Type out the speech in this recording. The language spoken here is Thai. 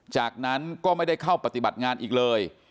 จากนั้นก็ไม่ได้เข้าปฏิบัติงานอีกเลย